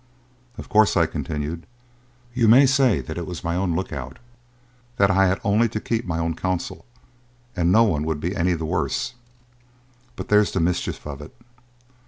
"Of course," I continued, "you may say that it was my own look out, that I had only to keep my own counsel, and no one would be any the worse. But there's the mischief of it.